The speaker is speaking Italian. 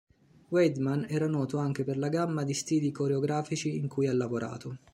Weidman era noto anche per la gamma di stili coreografici in cui ha lavorato.